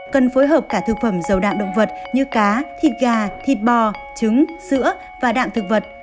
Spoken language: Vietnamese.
cần phối hợp cả thực phẩm dầu đạm động vật như cá thịt gà thịt bò trứng sữa đậm